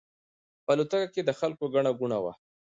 په الوتکه کې د خلکو ګڼه ګوڼه وه.